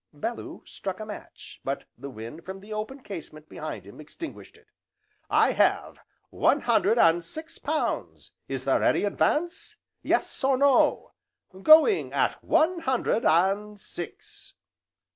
Bellew struck a match, but the wind from the open casement behind him, extinguished it. "I have one hundred and six pounds! is there any advance, yes or no? going at one hundred and six!"